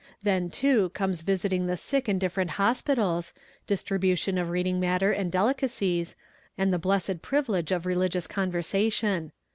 Then, too, comes visiting the sick in different hospitals, distribution of reading matter and delicacies, and the blessed privilege of religious conversation.